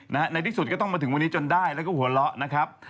ในที่สุดก็ต้องมาถึงวันนี้จนได้แล้วก็หัวเราะนะครับ